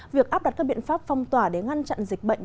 việc áp đặt các biện pháp phong tỏa để ngăn chặn dịch bệnh